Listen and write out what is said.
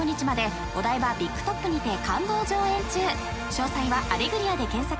［詳細はアレグリアで検索。